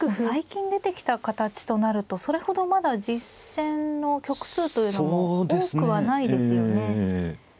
最近出てきた形となるとそれほどまだ実戦の局数というのも多くはないですよね。